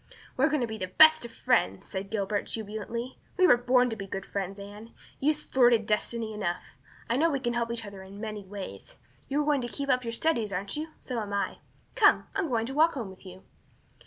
"We are going to be the best of friends," said Gilbert, jubilantly. "We were born to be good friends, Anne. You've thwarted destiny enough. I know we can help each other in many ways. You are going to keep up your studies, aren't you? So am I. Come, I'm going to walk home with you."